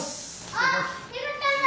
あっ彦ちゃんだ！